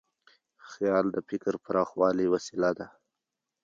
خیال د فکر د پراخوالي وسیله ده.